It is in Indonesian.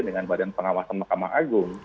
dengan badan pengawasan mahkamah agung